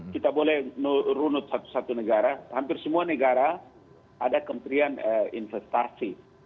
kita boleh runut satu negara hampir semua negara ada kementerian investasi